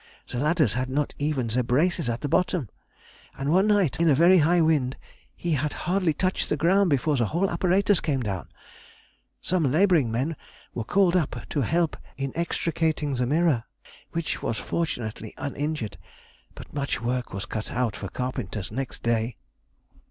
The ladders had not even their braces at the bottom; and one night, in a very high wind, he had hardly touched the ground before the whole apparatus came down. Some labouring men were called up to help in extricating the mirror, which was fortunately uninjured, but much work was cut out for carpenters next day.